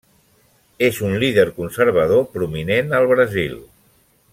És un líder conservador prominent al Brasil.